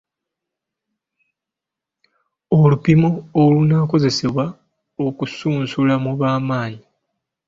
Olupimo olunaakozesebwa okusunsula mu bamanyi.